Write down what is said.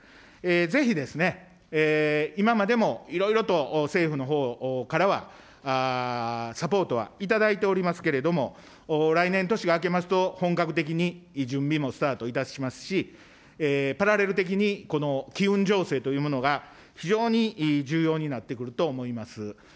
ぜひ今までもいろいろと政府のほうからは、サポートは頂いておりますけれども、来年年が明けますと、本格的に準備もスタートいたしますし、パラレル的にこの機運醸成というものが非常に重要になってくると思います。